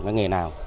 cái nghề nào